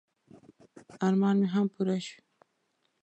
ارمان مې هم پوره شو.